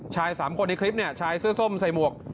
๓คนในคลิปเนี่ยชายเสื้อส้มใส่หมวก